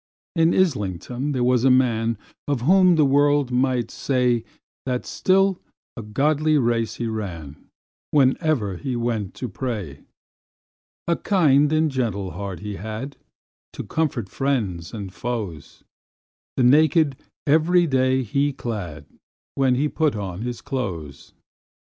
In Islington there was a man, Of whom the world might say, That still a godly race he ran, Whene'er he went to pray. A kind and gentle heart he had, To comfort friends and foes; The naked every day he clad, When he put on his clothes.